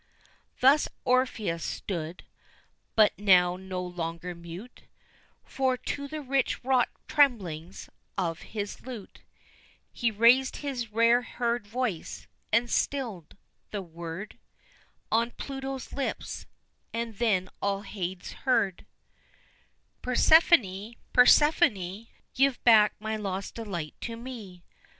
Thus Orpheus stood; but now no longer mute, For to the rich wrought tremblings of his lute He raised his rare heard voice and stilled the word On Pluto's lips, and then all Hades heard: Persephone! Persephone! Give back my lost delight to me!